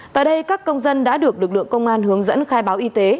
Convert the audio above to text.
tại đây các công dân đã được lực lượng công an hướng dẫn khai báo y tế